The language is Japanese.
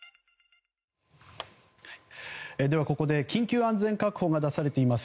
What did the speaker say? では、ここで緊急安全確保が出されています